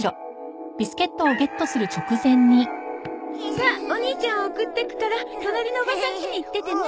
さあお兄ちゃんを送ってくから隣のおばさんちに行っててね。